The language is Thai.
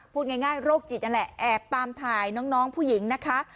พูดง่ายโรคจิตนั่นแหละแอบตามถ่ายน้องผู้หญิงนะคะ